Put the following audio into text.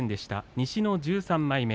西の１３枚目。